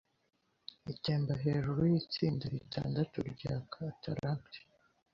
Itemba hejuru yitsinda ritandatu rya cataracte